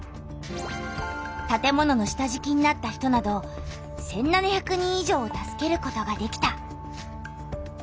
たて物の下じきになった人など１７００人以上を助けることができた。